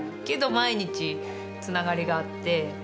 けど毎日つながりがあって。